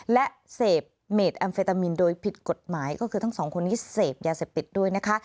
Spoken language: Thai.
และเสพเมดแอมเฟตามินโดยผิดกฎหมายก็คือทั้งสองคนนี้เสพยาเสพติดด้วยนะคะ